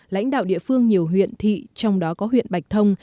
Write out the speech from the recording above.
lãnh đạo địa phương nhiều huyện thị trong đó có huyện bạch thông